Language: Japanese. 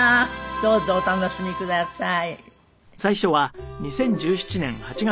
どうぞお楽しみください。